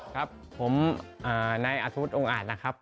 ครับผมนายอาทธวุฒว์องค์อัดครับครับ